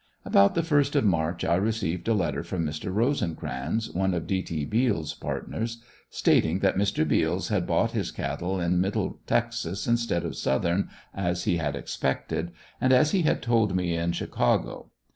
About the first of March I received a letter from Mr. Rosencrans, one of D. T. Beals' partners, stating that Mr. Beals had bought his cattle in middle Texas instead of southern as he had expected, and as he had told me in Chicago.